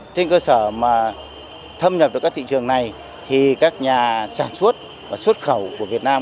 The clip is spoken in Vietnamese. trên cơ sở mà thâm nhập được các thị trường này thì các nhà sản xuất và xuất khẩu của việt nam